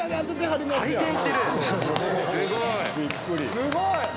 すごい！